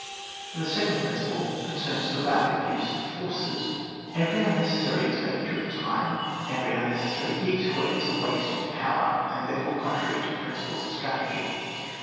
The second principle concerns the rapid use of the forcea Every unnecessaiy expenditure of time, every unnecessary detour, is a waste of power, and therefore contrary to the principles of strategy.